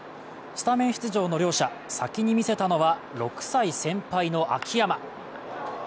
スタメン出場の両者、先に見せたのは６歳先輩の秋山。